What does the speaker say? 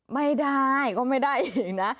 ไม่ได้ก็ไม่ได้เองนะ